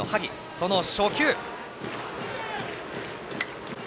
その初球。